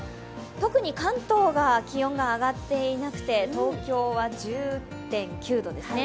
特に関東が気温が上がっていなくて東京は１０．９度ですね。